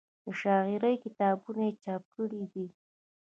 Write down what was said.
د شاعرۍ کتابونه یې چاپ کړي دي